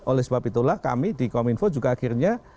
oleh sebab itulah kami di kominfo juga akhirnya